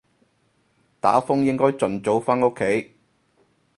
打風應該盡早返屋企